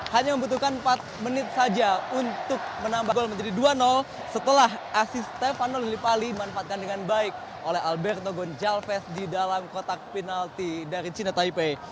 hanya membutuhkan empat menit saja untuk menambah gol menjadi dua setelah asis stefano lillipali dimanfaatkan dengan baik oleh alberto gonjalves di dalam kotak penalti dari china taipei